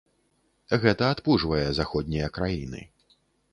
Гэта адпужвае заходнія краіны.